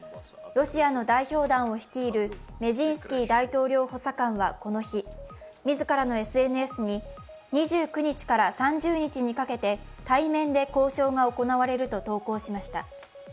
ロシアの代表団を率いるメジンスキー大統領補佐官はこの日、みずからのＳＮＳに、２９日から３０日にかけて対面で交渉が行われると投稿しました。